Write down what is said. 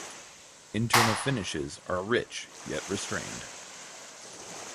Internal finishes are rich yet restrained.